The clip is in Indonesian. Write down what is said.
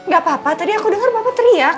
gapapa tadi aku denger papa teriak